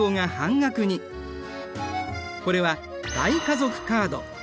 これは大家族カード。